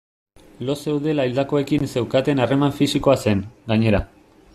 Lo zeudela hildakoekin zeukaten harremana fisikoa zen, gainera.